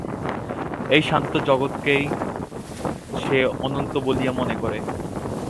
এই সান্ত জগৎকেই সে অনন্ত বলিয়া মনে করে।